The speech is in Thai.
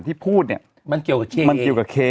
ที่พูดเนี่ยมันเกี่ยวกับเค